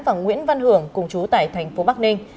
và nguyễn văn hưởng cùng chú tại tp bắc ninh